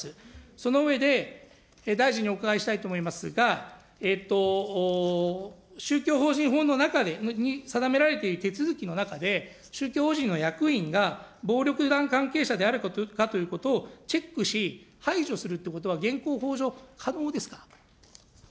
その上で大臣にお伺いしたいと思いますが、宗教法人法の中に定められている手続きの中で、宗教法人の役員が暴力団関係者であるかということをチェックし、排除するということは現行法上、可能ですか。